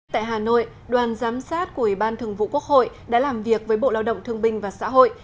tại hà nội đoàn giám sát của ủy ban thường vụ quốc hội đã làm việc với bộ lao động thương binh và xã hội